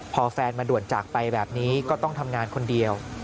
พอแฟนมาด่วนจากไปแบบนี้ก็ต้องทำงานคนเดียว